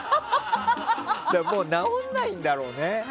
もう治らないんだろうね。